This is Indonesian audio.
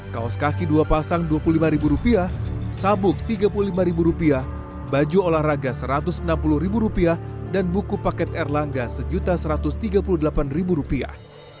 kaos kaki dua pasang dua puluh lima rupiah sabuk tiga puluh lima rupiah baju olahraga satu ratus enam puluh rupiah dan buku paket erlangga satu satu ratus tiga puluh delapan rupiah